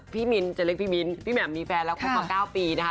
มิ้นจะเรียกพี่มิ้นพี่แหม่มมีแฟนแล้วคบมา๙ปีนะคะ